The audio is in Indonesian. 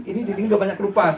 ini dinding udah banyak kelupas